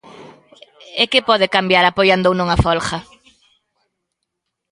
E que pode cambiar apoiando ou non a folga?